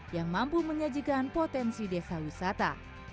yang mampu menyajikan potensi desa wisata